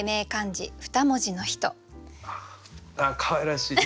あっかわいらしい。